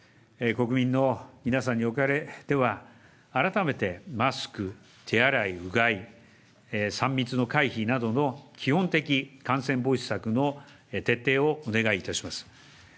国民の皆さんにおかれては、改めてマスク、手洗い、うがい、３密の回避などの基本的感染防止策の徹底をお願いいたします。